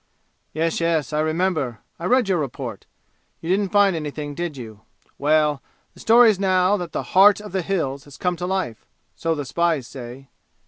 "Yes, yes. I remember. I read your report. You didn't find anything, did you? Well. The story is now that the 'Heart of the Hills' has come to life. So the spies say."